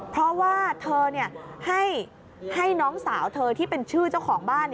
เพราะว่าเธอให้น้องสาวเธอที่เป็นชื่อเจ้าของบ้าน